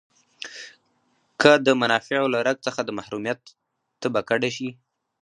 که د منافعو له رګ څخه د محرومیت تبه کډه شي.